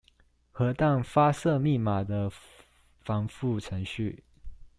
核彈發射密碼的繁複程序